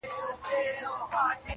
• د قاضي معاش څو چنده ته رسېږې ..